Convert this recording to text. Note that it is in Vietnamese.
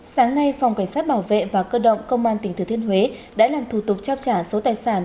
sáng nay phòng cảnh sát bảo vệ và cơ động công an tỉnh thừa thiên huế đã làm thủ tục trao trả số tài sản